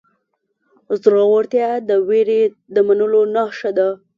زړورتیا د وېرې د منلو نښه ده.